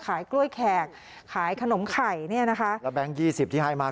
ขายกล้วยแขกขายขนมไข่เนี่ยนะคะแล้วแบงค์ยี่สิบที่ให้มา